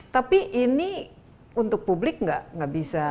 tapi ini untuk publik nggak bisa